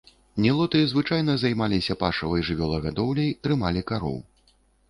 Нілоты звычайна займаліся пашавай жывёлагадоўляй, трымалі кароў.